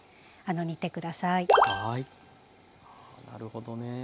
なるほどね。